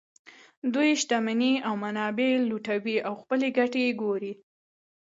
دوی شتمنۍ او منابع لوټوي او خپلې ګټې ګوري